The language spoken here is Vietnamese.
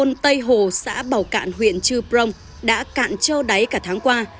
hồn tây hồ xã bảo cạn huyện trư prong đã cạn trâu đáy cả tháng qua